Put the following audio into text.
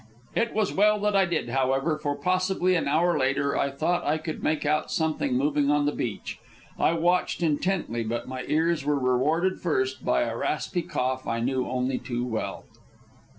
It was well that I did, however, for, possibly an hour later, I thought I could make out something moving on the beach. I watched intently, but my ears were rewarded first, by a raspy cough I knew only too well.